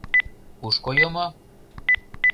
— Кушко йомо?